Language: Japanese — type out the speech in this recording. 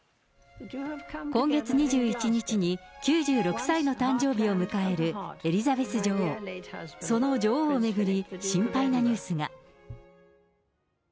今月２１日に９６歳の誕生日を迎えるエリザベス女王、その女王を巡り、心配なニュースが。